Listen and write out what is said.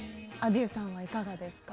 ａｄｉｅｕさんはいかがですか？